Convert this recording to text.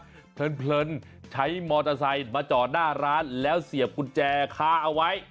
หวังแล้วครับเผลินใช้มอเตอร์ไซด์มาจอหน้าร้านแล้วเสียบกุญแจค้าเอาไว้